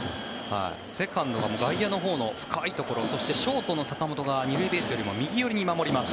セカンドが外野のほうの深いところそしてショートの坂本が２塁ベースよりも右寄りに守ります。